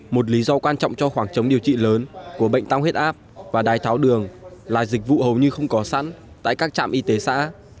một lý do quan trọng cho khoảng trống điều trị lớn của bệnh tăng huyết áp và đái tháo đường là dịch vụ hầu như không có sẵn tại các trạm y tế xã